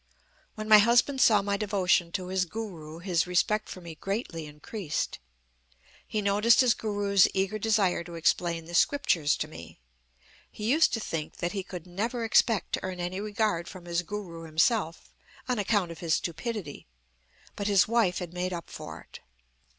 "When my husband saw my devotion to his Guru, his respect for me greatly increased. He noticed his Guru's eager desire to explain the scriptures to me. He used to think that he could never expect to earn any regard from his Guru himself, on account of his stupidity; but his wife had made up for it.